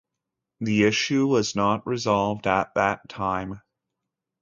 The issue was not resolved at that time.